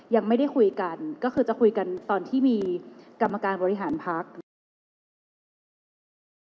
ยังไม่ได้คุยกันก็คือจะคุยกันตอนที่มีกรรมการบริหารพักนะคะ